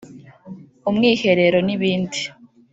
umwiherero n’ibindi